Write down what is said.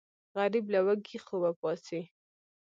غریب له وږي خوبه پاڅي